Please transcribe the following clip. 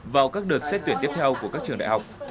vào các đợt xét tuyển tiếp theo của các trường đại học